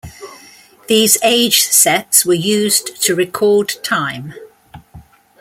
These age sets were used to record time.